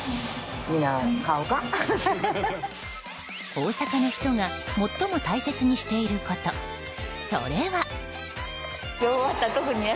大阪の人が最も大切にしていることそれは。